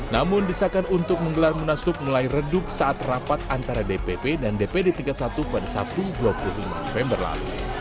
namun desakan untuk menggelar munaslup mulai redup saat rapat antara dpp dan dpd tingkat satu pada sabtu dua puluh lima november lalu